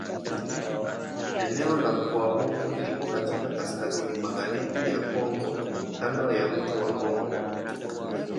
Eneo la mkoa huu liko katika kaskazini-magharibi ya Kongo kando ya mto Kongo.